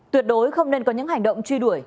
tuyệt đối không nên có những hành động truy đuổi